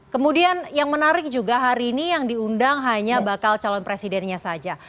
kemudian yang menarik juga hari ini yang diundang hanya bakal calon presidennya saja